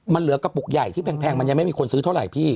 มันเหลือกระปุกใหญ่ที่แพงมันยังไม่มีคนซื้อเท่าไหร่พี่